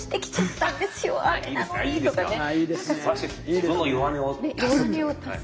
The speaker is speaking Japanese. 自分の弱音を足す。